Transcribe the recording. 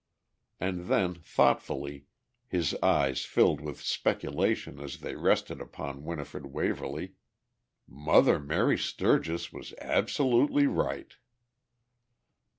And then, thoughtfully, his eyes filled with speculation as they rested upon Winifred Waverly, "Mother Mary Sturgis was absolutely right!"